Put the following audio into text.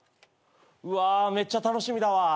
うわめっちゃ楽しみだわ。